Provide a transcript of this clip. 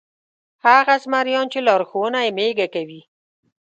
هغه زمریان چې لارښوونه یې مېږه کوي.